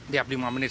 setelah lima menit